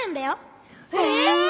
え！？